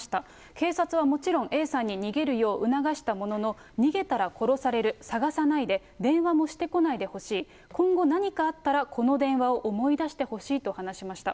警察はもちろん、Ａさんに逃げるよう促したものの、逃げたら殺される、探さないで、電話もしてこないでほしい、今後、何かあったら、この電話を思い出してほしいと話しました。